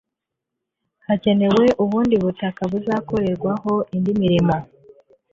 hakenewe ubundi butaka buzakorerwaho indi mirimo